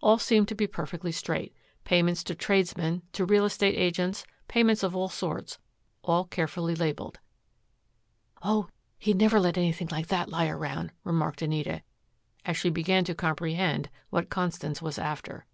All seemed to be perfectly straight payments to tradesmen, to real estate agents, payments of all sorts, all carefully labeled. "Oh, he'd never let anything like that lie around," remarked Anita, as she began to comprehend what Constance was after.